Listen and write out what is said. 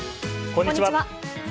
こんにちは。